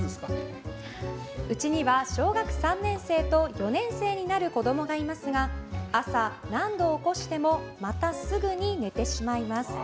うちには小学３年生と４年生になる子供がいますが朝、何度起こしてもまたすぐに寝てしまいます。